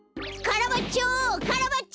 カラバッチョ！